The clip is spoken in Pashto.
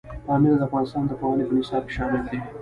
پامیر د افغانستان د پوهنې په نصاب کې شامل دی.